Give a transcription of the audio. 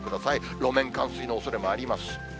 路面冠水のおそれもあります。